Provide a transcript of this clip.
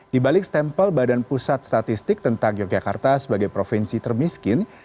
di balik stempel badan pusat statistik tentang yogyakarta sebagai provinsi termiskin